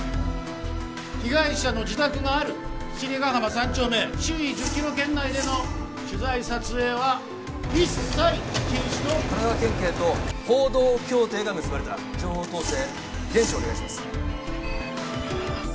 被害者の自宅がある七里ヶ浜三丁目周囲１０キロ圏内での取材撮影は一切禁止と神奈川県警と報道協定が結ばれた情報統制厳守お願いします